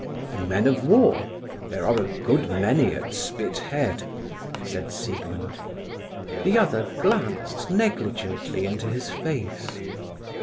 "The men of war? There are a good many at Spithead," said Siegmund. The other glanced negligently into his face.